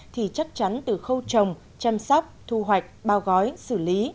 thì chắc chắn từ khâu trồng chăm sóc thu hoạch bao gói xử lý